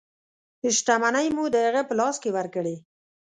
شتمنۍ مو د هغه په لاس کې ورکړې.